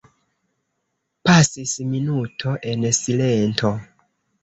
Pasis minuto en silento.